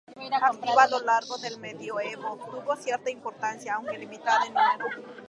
Activa a lo largo del medioevo, tuvo cierta importancia, aunque limitada en número.